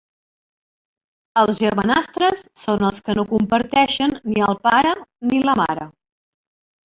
Els germanastres són els que no comparteixen ni el pare ni la mare.